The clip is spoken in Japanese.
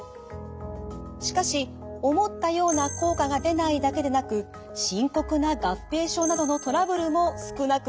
しかし思ったような効果が出ないだけでなく深刻な合併症などのトラブルも少なくありません。